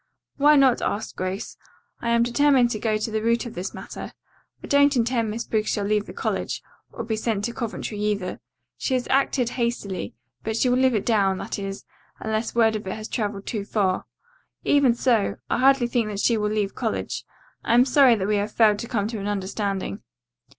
"Why not?" asked Grace. "I am determined to go to the root of this matter. I don't intend Miss Briggs shall leave college, or be sent to coventry either. She has acted hastily, but she will live it down, that is, unless word of it has traveled too far. Even so, I hardly think she will leave college. I am sorry that we have failed to come to an understanding."